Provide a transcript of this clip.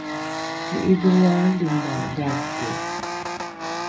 ni’idholroali moa gako